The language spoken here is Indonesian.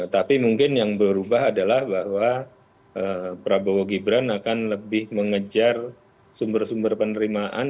tapi mungkin yang berubah adalah bahwa prabowo gibran akan lebih mengejar sumber sumber penerimaan